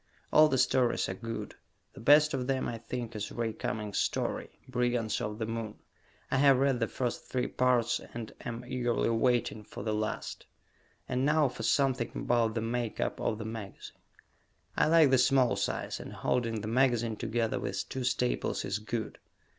All the stories are good. The best of them, I think, is Ray Cummings' story, "Brigands of the Moon." I have read the first three parts and am eagerly waiting for the last. And now for something about the make up of the magazine. I like the small size, and holding the magazine together with two staples is good.